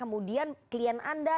kemudian klien anda